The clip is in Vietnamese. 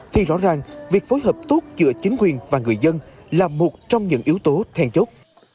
thì rõ ràng việc phối hợp tốt giữa chính quyền và người dân là một trong những yếu tố thèn chốt